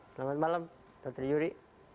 selamat malam dokter yuri